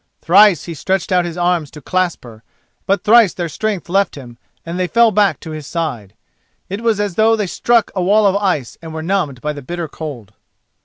Thrice he stretched out his arms to clasp her, but thrice their strength left them and they fell back to his side. It was as though they struck a wall of ice and were numbed by the bitter cold.